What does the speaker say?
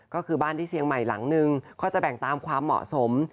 ก็คือบ้านที่เชียงใหม่หลังนึงก็จะแบ่งตามความเหมาะสม